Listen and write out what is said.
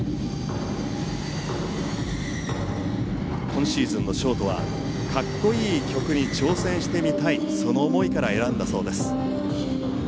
今シーズンのショートはかっこいい曲に挑戦してみたいその思いから選んだそうです。